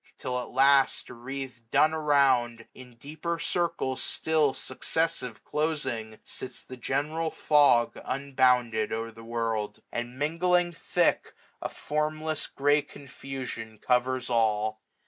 Till at last 725 Wreath'd dun around, in deeper circles still Successive closing, sits the general fog Unbounded o'er the world ; and, mingling thick, A formless grey confusion covers all.